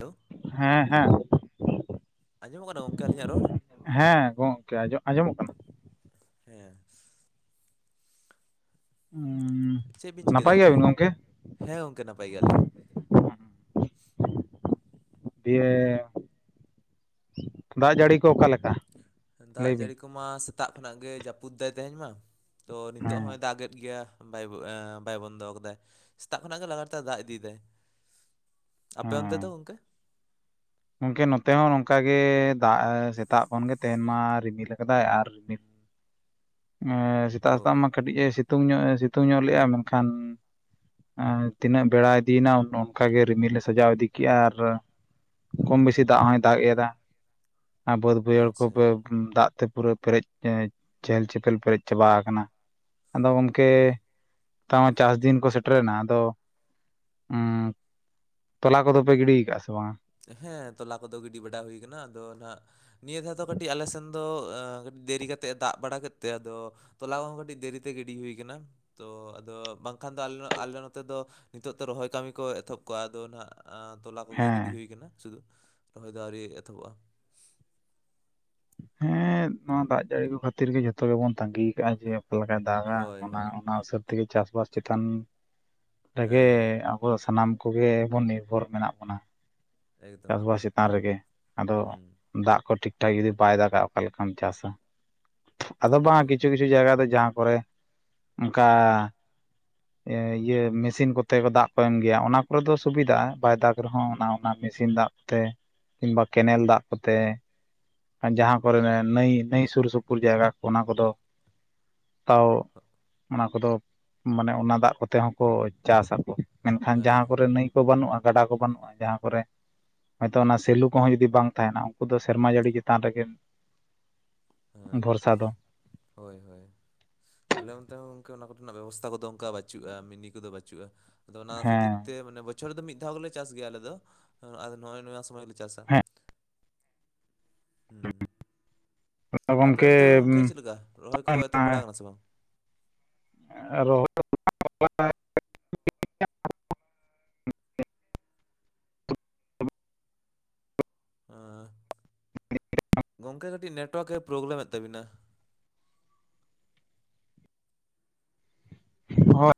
hello ᱦᱮᱸ ᱦᱮᱸ ᱟᱸᱡᱚᱢᱚᱜ ᱠᱟᱱᱟ ᱜᱚᱝᱠᱮ ᱟᱞᱤᱧᱟᱜ ᱨᱚᱲ ᱦᱮᱸ ᱜᱚᱢᱠᱮᱸ ᱟᱸᱡᱚᱢᱚᱜ ᱠᱟᱱᱟ ᱦᱮᱸ [unintelligible] ᱩᱸ ᱪᱮᱫ ᱵᱤᱱ ᱪᱤᱠᱟᱹᱭᱟ ᱫᱟ ᱱᱟᱯᱟᱭ ᱜᱚᱝᱠᱮ ᱜᱮᱭᱟᱵᱤᱱ ᱦᱮᱸ ᱜᱚᱝᱠᱮ ᱱᱟᱯᱟᱭ ᱜᱮᱭᱟ ᱞᱤᱧ ᱫᱤᱭᱮ ᱫᱟᱜ ᱡᱟᱹᱲᱤ ᱠᱚ ᱚᱠᱟ ᱞᱮᱠᱟ ᱫᱟᱜ ᱡᱟᱹᱲᱤ ᱠᱚᱢᱟ ᱥᱮᱛᱟᱜ ᱠᱷᱚᱱᱟᱜ ᱜᱮ ᱡᱟᱹᱯᱩᱫ ᱫᱟᱭ ᱛᱮᱦᱮᱧ ᱢᱟ ᱛᱚ ᱱᱤᱛᱚᱜ ᱦᱮᱸ ᱦᱚᱸᱭ ᱫᱟᱜ ᱮᱫ ᱜᱮᱭᱟ ᱵᱟᱭ ᱵᱟᱭ ᱵᱚᱱᱫᱚ ᱠᱟᱫᱟ ᱥᱮᱛᱟᱜ ᱠᱷᱚᱱᱟᱜ ᱜᱮ ᱞᱟᱜᱟ ᱛᱟᱭᱟ ᱫᱟᱜ ᱤᱫᱤᱭᱮᱫᱟᱭ ᱟᱯᱮ ᱚᱱᱛᱮ ᱦᱮᱸ ᱫᱚ ᱜᱚᱝᱠᱮ ᱜᱚᱝᱠᱮ ᱱᱚᱛᱮ ᱦᱚᱸ ᱱᱚᱝᱠᱟ ᱜᱮ ᱫᱟᱜ ᱥᱮᱛᱟᱜ ᱠᱷᱚᱱ ᱜᱮ ᱛᱟᱦᱮᱱ ᱢᱟ ᱨᱤᱢᱤᱞ ᱟᱠᱟᱫᱟᱭ ᱟᱨ ᱢᱤᱫ ᱮ ᱚ ᱥᱮᱛᱟᱜ ᱥᱮᱛᱟᱜ ᱢᱟ ᱠᱟᱹᱴᱤᱡᱼ ᱮ ᱥᱤᱛᱩᱝ ᱧᱚᱜ ᱮ ᱥᱤᱛᱩᱝ ᱧᱚᱜ ᱞᱮᱼᱟ ᱢᱮᱱᱠᱷᱟᱱ ᱛᱤᱱᱟᱹᱜ ᱵᱮᱲᱟ ᱤᱫᱤᱭᱮᱱᱟ ᱚᱱᱠᱟᱜ ᱜᱮ ᱨᱤᱢᱤᱞ ᱞᱮ ᱥᱟᱡᱟᱣ ᱤᱫᱤ ᱠᱮᱫᱼᱟ ᱟᱨ ᱠᱚᱢ ᱵᱮᱥᱤ ᱫᱟᱜ ᱦᱚᱭ ᱫᱟᱜ ᱮᱫᱟ ᱟᱨ ᱵᱟᱹᱫ ᱵᱟᱹᱭᱦᱟᱹᱲ ᱟᱪᱪᱷᱟ ᱠᱚᱯᱮ ᱫᱟᱜ ᱛᱮ ᱯᱩᱨᱟᱹ ᱯᱮᱨᱮᱡ ᱪᱮᱦᱮᱞ ᱪᱮᱯ ᱮᱠᱷᱮᱱ ᱯᱮᱨᱮᱡ ᱪᱟᱵᱟ ᱟᱠᱟᱱᱟ ᱟᱫᱚ ᱜᱚᱝᱠᱮ ᱛᱟᱣ ᱪᱟᱥ ᱫᱤᱱ ᱠᱚ ᱥᱮᱴᱨᱮᱱᱟ ᱟᱫᱚ ᱩᱸ ᱛᱚᱞᱟ ᱠᱚᱫᱚ ᱯᱮ ᱜᱤᱰᱤ ᱠᱟᱜᱼᱟ ᱥᱮ ᱵᱟᱝ ᱟ ᱦᱮᱸ ᱛᱚᱞᱟ ᱠᱚᱫᱚ ᱜᱤᱰᱤ ᱵᱟᱲᱟ ᱦᱩᱭ ᱟᱠᱟᱱᱟ ᱟᱫᱚ ᱦᱟᱸᱜ ᱱᱤᱭᱟᱹ ᱫᱷᱟᱣ ᱫᱚ ᱠᱟᱹᱴᱤᱡ ᱟᱞᱮ ᱥᱮᱱ ᱫᱚ ᱠᱟᱹᱴᱤᱡ ᱫᱮᱨᱤ ᱠᱟᱛᱮᱫ ᱫᱟᱜ ᱵᱟᱲᱟ ᱠᱮᱫ ᱛᱮ ᱟᱫᱚ ᱛᱚᱞᱟ ᱠᱚᱦᱚᱸ ᱠᱟᱹᱴᱤᱡ ᱫᱮᱨᱤ ᱛᱮᱜᱮ ᱜᱤᱰᱤ ᱦᱩᱭ ᱠᱟᱱᱟ ᱛᱚ ᱟᱫᱚ ᱵᱟᱝᱠᱷᱟᱱ ᱫᱚ ᱟᱞᱮ ᱱᱚᱛᱮ ᱫᱚ ᱱᱤᱛᱚᱜ ᱫᱚ ᱨᱚᱦᱚᱭ ᱠᱟᱹᱢᱤ ᱠᱚ ᱮᱛᱚᱦᱚᱵ ᱠᱚᱣᱟ ᱟᱫᱚ ᱦᱟᱸᱜ ᱛᱚᱞᱟ ᱠᱚᱜᱮ ᱜᱤᱰᱤ ᱦᱮᱸ ᱦᱩᱭ ᱟᱠᱟᱱᱟ ᱥᱩᱫᱩ ᱨᱚᱦᱚᱭ ᱫᱚ ᱟᱹᱣᱨᱤ ᱮᱛᱚᱦᱚᱵᱚᱜᱼᱟ ᱦᱮᱸ ᱱᱚᱣᱟ ᱫᱟᱜ ᱡᱟᱹᱲᱤ ᱠᱚ ᱠᱷᱟᱹᱛᱤᱨ ᱜᱮ ᱡᱚᱛᱚ ᱜᱮᱵᱚᱱ ᱛᱟᱸᱜᱤ ᱠᱟᱜᱼᱟ ᱡᱮ ᱚᱠᱟ ᱞᱮᱠᱟ ᱫᱟᱜᱟ ᱦᱳᱭ ᱚᱱᱟ ᱦᱳᱭ ᱚᱱᱟ ᱦᱤᱥᱟᱹᱵ ᱛᱮᱜᱮ ᱪᱟᱥᱵᱟᱥ ᱪᱮᱛᱟᱱ ᱨᱮᱜᱮ ᱦᱮᱸ ᱦᱮᱸ ᱟᱵᱚ ᱥᱟᱱᱟᱢ ᱠᱚᱜᱮ ᱵᱚᱱ ᱱᱤᱨᱵᱷᱚᱨ ᱢᱮᱱᱟᱜ ᱵᱚᱱᱟ ᱮᱠᱫᱚᱢ ᱪᱟᱥᱵᱟᱥ ᱮᱠᱫᱚᱢ ᱪᱮᱛᱟᱱ ᱨᱮᱜᱮ ᱟᱫᱚ ᱦᱩᱸ ᱫᱟᱜ ᱠᱚ ᱴᱷᱤᱠ ᱴᱷᱟᱠ ᱡᱩᱫᱤ ᱵᱟᱭ ᱫᱟᱜᱟ ᱚᱠᱟ ᱞᱮᱠᱟᱢ ᱪᱟᱥᱟ ᱟᱫᱚ ᱵᱟᱝ ᱦᱳᱭ ᱠᱤᱪᱷᱩ ᱠᱤᱪᱷᱩ ᱠᱤᱪᱷᱩ ᱡᱟᱭᱜᱟ ᱫᱚ ᱡᱟᱦᱟᱸ ᱠᱚᱨᱮ ᱚᱱᱠᱟ ᱤᱭᱟᱹ ᱢᱮᱥᱤᱱ ᱠᱚᱛᱮ ᱠᱚ ᱫᱟᱜ ᱠᱚ ᱮᱢ ᱜᱮᱭᱟ ᱚᱱᱟ ᱠᱚᱨᱮ ᱫᱚ ᱥᱩᱵᱤᱫᱟᱜᱼᱟ ᱵᱟᱭ ᱫᱟᱜᱽ ᱨᱮᱦᱚᱸ ᱚᱱᱟ ᱚᱱᱟ ᱢᱮᱥᱤᱱ ᱫᱟᱜ ᱛᱮ ᱠᱤᱝᱵᱟ ᱠᱮᱱᱮᱞ ᱫᱟᱜ ᱠᱚᱛᱮ ᱡᱟᱦᱟᱸ ᱠᱚᱨᱮ ᱱᱟᱹᱭ ᱱᱟᱹᱭ ᱥᱩᱨ ᱥᱩᱯᱩᱨ ᱡᱟᱭᱜᱟ ᱠᱚ ᱚᱱᱟ ᱠᱚᱫᱚ ᱛᱟᱣ ᱚᱱᱟ ᱠᱚᱫᱚ ᱢᱟᱱᱮ ᱚᱱᱟ ᱫᱟᱜ ᱠᱚᱛᱮ ᱦᱚᱸᱠᱚ ᱪᱟᱥ ᱟᱠᱚ ᱢᱮᱱᱠᱷᱟᱱ ᱦᱮᱸ ᱡᱟᱦᱟᱸ ᱠᱚᱨᱮ ᱱᱟᱹᱭ ᱠᱚ ᱵᱟᱹᱱᱩᱜᱼᱟ ᱜᱟᱰᱟ ᱠᱚ ᱵᱟᱹᱱᱩᱜᱼᱟ ᱡᱟᱦᱟᱸ ᱠᱚᱨᱮ ᱦᱚᱳᱭᱛᱳ ᱚᱱᱟ ᱥᱮᱞᱩ ᱠᱚᱦᱚᱸ ᱡᱩᱫᱤ ᱵᱟᱝ ᱛᱟᱦᱮᱱᱟ ᱩᱱᱠᱩ ᱫᱚ ᱥᱮᱨᱢᱟ ᱡᱟᱹᱲᱤ ᱪᱮᱛᱟᱱ ᱨᱮᱜᱮ ᱦᱮᱸ ᱵᱷᱚᱨᱥᱟ ᱫᱚ ᱦᱳᱭ ᱦᱳᱭ ᱟᱞᱮ ᱚᱱᱛᱮ ᱦᱚᱸ ᱚᱱᱟ ᱠᱚᱨᱮᱱᱟᱜ ᱵᱮᱵᱚᱥᱛᱷᱟ ᱠᱚᱫᱚ ᱚᱱᱠᱟ ᱵᱟᱹᱪᱩᱜᱼᱟ ᱢᱤᱱᱤ ᱠᱚᱫᱚ ᱵᱟᱹᱪᱩᱜᱼᱟ ᱟᱫᱚ ᱚᱱᱟ ᱠᱷᱟᱹᱛᱤᱨ ᱦᱮᱸ ᱛᱮ ᱢᱟᱱᱮ ᱵᱚᱪᱷᱚᱨ ᱫᱚ ᱢᱤᱫ ᱫᱷᱟᱣ ᱜᱮᱞᱮ ᱪᱟᱥ ᱜᱮᱭᱟ ᱟᱞᱮ ᱫᱚ ᱱᱚᱜ ᱚᱭ ᱱᱚᱣᱟ ᱥᱚᱢᱚᱭ ᱜᱮᱞᱮ ᱪᱟᱥᱟ ᱦᱮᱸ ᱦᱩᱸ ᱟᱯᱮ ᱜᱚᱢᱠᱮ ᱚᱱᱛᱮ ᱫᱚ ᱜᱚᱢᱠᱮ ᱪᱮᱫ ᱞᱮᱠᱟ ᱨᱚᱦᱚᱭ ᱠᱚ ᱮᱛᱚᱦᱚᱵ ᱵᱟᱲᱟ ᱠᱟᱱᱟ ᱥᱮ ᱵᱟᱝ ᱨᱚᱦᱚᱲ [inaudible] ᱦᱮᱸ ᱜᱚᱢᱠᱮ ᱠᱟᱹᱴᱤᱡ ᱱᱮᱴ ᱚᱣᱟᱨᱠ ᱮ ᱯᱨᱚᱵᱞᱮᱢᱮᱫ ᱛᱟᱵᱤᱱᱟ ᱦᱳᱭ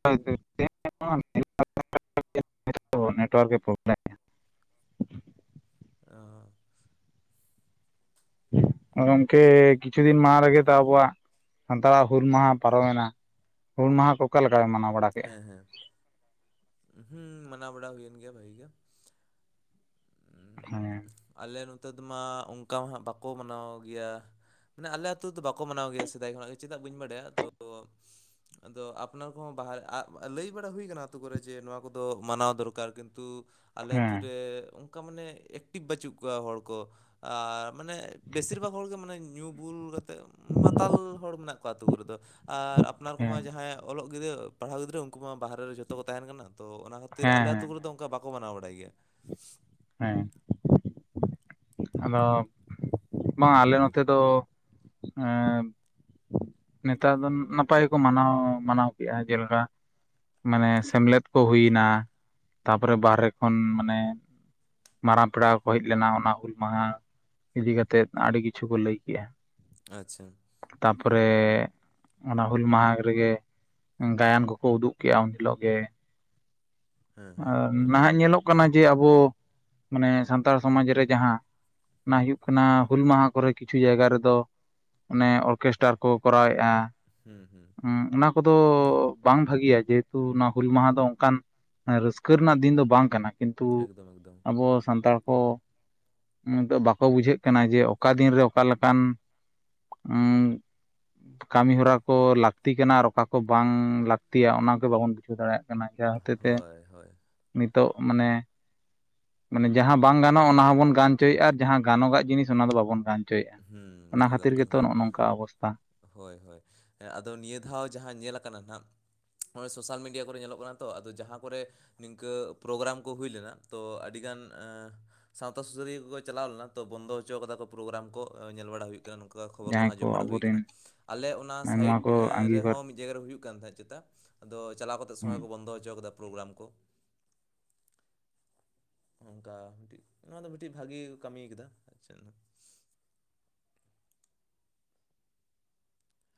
ᱱᱮᱴᱣᱟᱨᱠ ᱜᱮ ᱯᱨᱚᱵᱞᱮᱢ [unintelligible] ᱟ [unintelligible] ᱜᱚᱢᱠᱮ ᱠᱤᱪᱷᱩ ᱫᱤᱱ ᱢᱟᱰᱟᱝ ᱨᱮᱜᱮ ᱛᱚ ᱟᱵᱚᱣᱟᱜ ᱥᱟᱱᱛᱟᱲᱟᱜ ᱦᱩᱞ ᱢᱟᱦᱟ ᱯᱟᱨᱚᱢ ᱮᱱᱟ ᱦᱩᱞ ᱢᱟᱦᱟ ᱠᱚ ᱚᱠᱟ ᱞᱮᱠᱟ ᱯᱮ ᱢᱟᱱᱟᱣ ᱵᱟᱲᱟ ᱠᱮᱜ-ᱟ ᱦᱮᱸ ᱦᱮᱸ ᱦᱩᱸ ᱢᱟᱱᱟᱣ ᱵᱟᱲᱟ ᱦᱩᱭᱮᱱ ᱜᱮᱭᱟ ᱵᱷᱟᱹᱜᱤ ᱜᱮ ᱩᱸᱜ ᱦᱮᱸ ᱟᱞᱮ ᱱᱚᱛᱮ ᱢᱟ ᱚᱱᱠᱟ ᱢᱟ ᱦᱟᱸᱜ ᱵᱟᱠᱚ ᱢᱟᱱᱟᱣ ᱜᱮᱭᱟ ᱢᱟᱱᱮ ᱟᱞᱮ ᱟᱹᱛᱩ ᱫᱚ ᱵᱟᱠᱚ ᱢᱟᱱᱟᱣ ᱜᱮᱭᱟ ᱥᱮᱫᱟᱭ ᱠᱷᱚᱱᱟᱜ ᱜᱮ ᱪᱮᱫᱟᱜ ᱵᱟᱹᱧ ᱵᱟᱲᱟᱭᱟ ᱛᱚ ᱟᱫᱚ ᱟᱯᱱᱟᱨ ᱠᱚᱦᱚᱸ ᱵᱟᱦᱟ ᱞᱟᱹᱭ ᱵᱟᱲᱟ ᱦᱩᱭ ᱠᱟᱱᱟ ᱟᱹᱛᱩ ᱠᱚᱨᱮᱜ ᱡᱮ ᱱᱚᱣᱟ ᱠᱚᱫᱚ ᱢᱟᱱᱟᱣ ᱫᱚᱨᱠᱟᱨ ᱠᱤᱱᱛᱩ ᱟᱞᱮ ᱟᱛᱳ ᱦᱮᱸ ᱨᱮ ᱚᱱᱠᱟ ᱢᱟᱱᱮ ᱮᱠᱴᱤᱵᱷ ᱵᱟᱹᱪᱩᱜ ᱠᱚᱣᱟ ᱦᱚᱲ ᱠᱚ ᱟᱨ ᱢᱟᱱᱮ ᱵᱮᱥᱤᱨ ᱵᱷᱟᱜᱽ ᱦᱚᱲ ᱜᱮ ᱢᱟᱱᱮ ᱧᱩ ᱵᱩᱞ ᱠᱟᱛᱮᱫ ᱢᱟᱛᱟᱞ ᱦᱚᱲ ᱢᱮᱱᱟᱜ ᱠᱚᱣᱟ ᱟᱛᱳ ᱠᱚᱨᱮ ᱫᱚ ᱟᱨ ᱟᱯᱱᱟᱨ ᱦᱮᱸ ᱠᱚᱢᱟ ᱡᱟᱦᱟᱭ ᱚᱞᱚᱜ ᱜᱤᱫᱽᱨᱟᱹ ᱯᱟᱲᱦᱟᱣ ᱜᱤᱫᱽᱨᱟᱹ ᱩᱱᱠᱩ ᱢᱟ ᱵᱟᱦᱨᱮ ᱨᱮ ᱡᱷᱚᱛᱚ ᱠᱚ ᱛᱟᱦᱮᱱ ᱠᱟᱱᱟ ᱛᱚ ᱚᱱᱟ ᱠᱷᱟᱹᱛᱤᱨ ᱦᱮᱸ ᱟᱞᱮ ᱦᱮᱸ ᱟᱹᱛᱩ ᱠᱚᱨᱮ ᱫᱚ ᱚᱱᱠᱟ ᱵᱟᱠᱚ ᱢᱟᱱᱟᱣ ᱵᱟᱲᱟᱭ ᱜᱮᱭᱟ ᱦᱮᱸ ᱟᱫᱚ ᱵᱟᱝ ᱟᱞᱮ ᱦᱩᱸ ᱱᱚᱛᱮ ᱫᱚ ᱮᱸ ᱱᱮᱛᱟᱨ ᱫᱚ ᱱᱟᱯᱟᱭ ᱜᱮᱠᱚ ᱢᱟᱱᱟᱣ ᱢᱟᱱᱟᱣ ᱠᱮᱫᱟ ᱡᱮᱞᱮᱠᱟ ᱢᱟᱱᱮ ᱥᱮᱢᱞᱮᱫ ᱠᱚ ᱦᱩᱭᱱᱟ ᱛᱟᱨ ᱯᱚᱨᱮ ᱵᱟᱦᱨᱮ ᱠᱷᱚᱱ ᱢᱟᱱᱮ ᱢᱟᱨᱟᱝ ᱯᱮᱲᱟ ᱠᱚ ᱠᱚ ᱦᱮᱡ ᱞᱮᱱᱟ ᱚᱱᱟ ᱦᱩᱞ ᱢᱟᱦᱟ ᱤᱫᱤ ᱠᱟᱛᱮᱫ ᱟᱹᱰᱤ ᱠᱤᱪᱷᱩ ᱠᱚ ᱞᱟᱹᱭ ᱠᱮᱫᱟ ᱟᱪᱷᱟ ᱛᱟᱨ ᱯᱚᱨᱮ ᱚᱱᱟ ᱦᱩᱞ ᱢᱟᱦᱟ ᱨᱮᱜᱮ ᱜᱟᱭᱟᱱ ᱠᱚᱠᱚ ᱩᱫᱩᱜ ᱠᱮᱫᱟ ᱩᱱ ᱦᱤᱞᱚᱜ ᱜᱮ ᱦᱮᱸ ᱦᱮᱸ ᱟᱨ ᱱᱟᱦᱟᱜ ᱧᱮᱞᱚᱜ ᱠᱟᱱᱟ ᱡᱮ ᱟᱵᱚ ᱢᱟᱱᱮ ᱥᱟᱱᱛᱟᱲ ᱥᱚᱢᱟᱡᱽ ᱨᱮ ᱡᱟᱦᱟᱸ ᱚᱱᱟ ᱦᱩᱸ ᱦᱩᱭᱩᱜ [inaudible] ᱦᱩᱞ ᱢᱟᱦᱟ ᱠᱚᱨᱮ ᱠᱤᱪᱷᱩ ᱡᱟᱭᱜᱟ ᱨᱮᱫᱚ ᱚᱱᱮ ᱚᱨᱠᱮᱥᱴᱟᱨ ᱠᱚ ᱠᱚᱨᱟᱣ ᱮᱫᱟ ᱦᱩᱸ ᱦᱩᱸ ᱚᱱᱟ ᱠᱚᱫᱚ ᱵᱟᱝ ᱵᱷᱟᱹᱜᱤᱭᱟ ᱡᱮᱦᱮᱛᱩ ᱚᱱᱟ ᱦᱩᱞ ᱢᱟᱦᱟ ᱫᱚ ᱚᱱᱠᱟᱱᱼᱼ ᱨᱟᱹᱥᱠᱟᱹ ᱨᱮᱱᱟᱜ ᱫᱤᱱ ᱫᱚ ᱵᱟᱝ ᱠᱟᱱᱟ ᱠᱤᱱᱛᱩ ᱮᱠᱫᱚᱢ ᱮᱠᱫᱚᱢ ᱟᱵᱚ ᱥᱟᱱᱛᱟᱲ ᱠᱚ ᱱᱤᱛᱚᱜ ᱵᱟᱠᱚ ᱵᱩᱡᱷᱟᱹᱜ ᱠᱟᱱᱟ ᱡᱮ ᱚᱠᱟ ᱫᱤᱱ ᱨᱮ ᱚᱠᱟ ᱞᱮᱠᱟᱱ ᱩᱸᱜ [unintelligible] ᱠᱟᱹᱢᱤ ᱦᱚᱨᱟ ᱠᱚ ᱞᱟᱹᱠᱛᱤ ᱠᱟᱱᱟ ᱟᱨ ᱚᱠᱟ ᱠᱚ ᱵᱟᱝ ᱞᱟᱹᱠᱛᱤᱭᱟ ᱚᱱᱟ ᱜᱮ ᱵᱟᱵᱚᱱ ᱵᱩᱡᱷᱟᱹᱣ ᱫᱟᱲᱮᱭᱟᱜ ᱠᱟᱱᱟ ᱠᱟᱱᱟ ᱡᱟᱦᱟᱸ ᱦᱚᱛᱮ ᱛᱮ ᱦᱳᱭ ᱦᱳᱭ ᱱᱤᱛᱚᱜ ᱢᱟᱱᱮ ᱢᱟᱱᱮ ᱡᱟᱦᱟᱸ ᱵᱟᱝ ᱜᱟᱱᱚᱜᱼᱟ ᱚᱱᱟ ᱦᱚᱸᱵᱚᱱ ᱜᱟᱱᱪᱚᱭᱮᱫᱼᱟ ᱟᱨ ᱡᱟᱦᱟᱸ ᱜᱟᱱᱚᱜᱟᱜ ᱡᱤᱱᱤᱥ ᱚᱱᱟ ᱫᱚ ᱵᱟᱵᱚᱱ ᱜᱟᱱ ᱦᱚᱪᱚᱭᱮᱫᱟ ᱦᱚᱪᱚᱭᱮᱫᱼᱟ ᱦᱩᱸ ᱚᱱᱟ ᱮᱠᱫᱚᱢ ᱠᱷᱟᱹᱛᱤᱨ ᱠᱟᱛᱷᱟ ᱜᱮᱛᱚ ᱫᱚ ᱱᱚᱜᱼᱚ ᱱᱚᱝᱠᱟ ᱚᱵᱚᱥᱛᱷᱟ ᱦᱳᱭ ᱦᱳᱭ ᱟᱫᱚ ᱱᱤᱭᱟᱹ ᱫᱷᱟᱣ ᱡᱟᱦᱟᱸ ᱧᱮᱞᱟ ᱠᱟᱱᱟ ᱦᱟᱸᱜ ᱚᱭ ᱥᱳᱥᱟᱞ ᱢᱤᱰᱤᱭᱟ ᱠᱚᱨᱮ ᱧᱮᱞᱚᱜ ᱠᱟᱱᱟ ᱛᱚ ᱟᱫᱚ ᱡᱟᱦᱟᱸ ᱠᱚᱨᱮᱼᱼ ᱱᱤᱝᱠᱟᱹ ᱯᱨᱳᱜᱨᱟᱢ ᱠᱚ ᱦᱩᱭ ᱞᱮᱱᱟ ᱛᱚ ᱟᱹᱰᱤᱜᱟᱱ ᱥᱟᱶᱛᱟ ᱥᱩᱥᱟᱹᱨᱤᱭᱟᱹ ᱠᱚᱠᱚ ᱪᱟᱞᱟᱣ ᱞᱮ ᱛᱚ ᱵᱚᱱᱫᱚ ᱦᱚᱪᱚ ᱠᱟᱫᱟ ᱠᱚ ᱯᱨᱳᱜᱨᱟᱢ ᱧᱮᱞᱲᱟ ᱦᱩᱭ ᱟᱠᱟᱱᱟ ᱱᱚᱝᱠᱟ ᱠᱷᱚᱵᱚᱨ ᱠᱚ ᱡᱟᱦᱟᱸᱭ ᱟᱸᱡᱚᱢ ᱵᱟᱲᱟ ᱦᱩᱭ ᱟᱵᱚᱨᱮᱱ ᱟᱠᱟᱱᱟ ᱟᱞᱮ ᱚᱱᱟ ᱱᱚᱣᱟ ᱥᱟᱭᱤᱴ ᱠᱚ ᱟᱸᱜᱤᱵᱷᱟᱨ ᱨᱮᱦᱚᱸ ᱟᱰᱤ ᱡᱟᱭᱜᱟ ᱨᱮ ᱦᱩᱭᱩᱜ ᱠᱟᱱ ᱛᱟᱦᱮᱸᱫ ᱪᱮᱛᱟ ᱟᱫᱚ ᱪᱟᱞᱟᱣ ᱠᱟᱛᱮ ᱦᱮᱸ ᱥᱚᱢᱚᱭ ᱠᱚ ᱵᱚᱱᱫᱚ ᱦᱚᱪᱚᱣ ᱠᱟᱫᱟ ᱯᱨᱳᱜᱨᱟᱢ ᱠᱚ ᱚᱝᱠᱟ ᱢᱤᱫ ᱴᱤᱡ ᱱᱚᱣᱟ ᱫᱚ ᱢᱤᱫ ᱴᱤᱡ ᱵᱷᱟᱜᱤ ᱠᱚ ᱠᱟᱹᱢᱤ ᱠᱮᱫᱟ ᱟᱨ ᱪᱮᱫ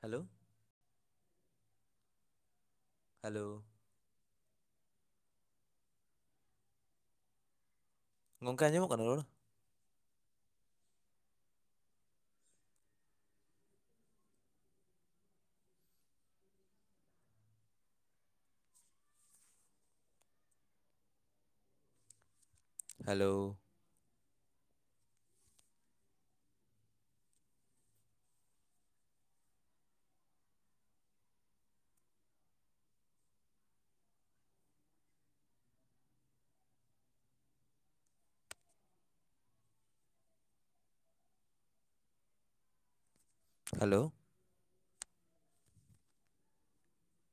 ᱦᱮᱞᱳ ᱦᱮᱞᱳ ᱜᱚᱢᱠᱮ ᱟᱸᱡᱚᱢᱚᱜ ᱠᱟᱱᱟ ᱨᱚᱲ ᱦᱮᱞᱳ ᱦᱮᱞᱳ